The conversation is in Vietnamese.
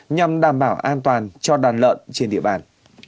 nhằm đảm bảo an toàn cho đàn lợn trên địa bàn